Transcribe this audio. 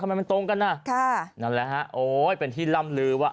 ทำไมมันตรงกันอ่ะค่ะนั่นแหละฮะโอ้ยเป็นที่ล่ำลือว่า